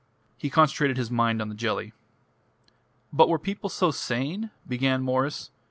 He concentrated his mind on the jelly. "But were people so sane ?" began Mwres.